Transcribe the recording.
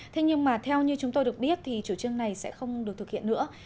thế nhưng mà theo như chúng tôi được biết thì chủ trương này sẽ không được thực hiện nữa